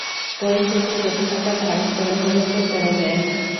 পরিস্থিতি জটিল আকার ধারণ করে হুলস্থুল পড়ে যায়।